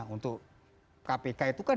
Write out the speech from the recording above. untuk kpk itu kan